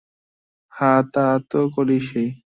হ্যাঁ, তা তো করিসই।